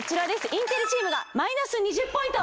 インテリチームがマイナス２０ポイント。